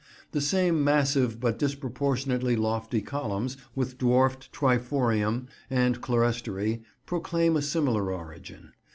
The same massive but disproportionately lofty columns, with dwarfed triforium and clerestory, proclaim a similar origin.